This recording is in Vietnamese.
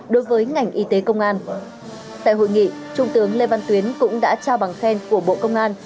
đối với ngành y tế công an tại hội nghị trung tướng lê văn tuyến cũng đã trao bằng khen của bộ công an